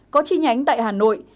có chi nhánh tại hà nội